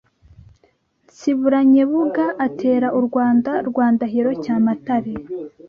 Nsibura Nyebunga atera u Rwanda rwa Ndahiro Cyamatare